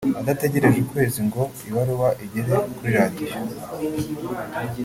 adategereje ukwezi ngo ibaruwa igere kuri radiyo